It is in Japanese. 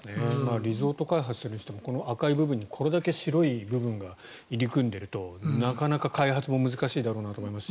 リゾート開発するにしても赤いところにこれだけ白い部分が入り組んでいるとなかなか開発も難しいだろうなと思うし。